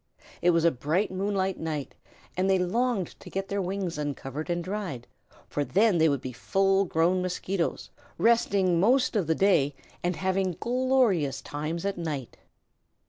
It was a bright moonlight night and they longed to get their wings uncovered and dried, for then they would be full grown Mosquitoes, resting most of the day and having glorious times at night.